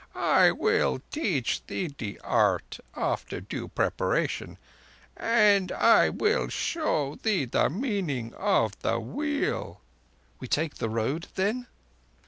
I will teach thee the art—after due preparation; and I will show thee the meaning of the Wheel." "We take the Road, then?"